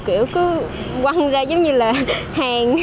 kiểu cứ quăng ra giống như là